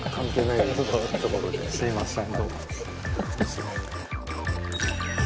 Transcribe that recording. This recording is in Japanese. すいません。